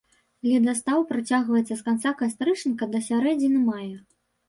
Ледастаў працягваецца з канца кастрычніка да сярэдзіны мая.